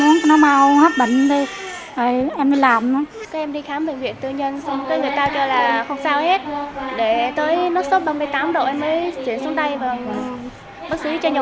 để tới nốt sốt ba mươi tám độ em mới chế xuống đây và bắt xử cho nhậu vệ luôn ạ